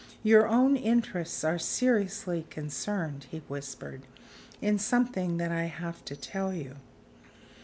"Your own interests are seriously concerned," he whispered, "in something that I have to tell you."